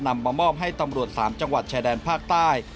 มามอบให้ตำรวจ๓จังหวัดชายแดนภาคใต้